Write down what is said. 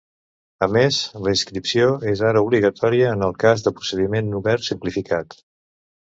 A més, la inscripció és ara obligatòria en el cas del procediment obert simplificat.